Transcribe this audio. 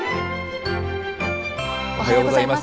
おはようございます。